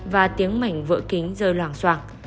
và tiếng mảnh vỡ kính rơi loảng soảng